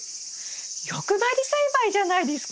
欲張り栽培じゃないですか！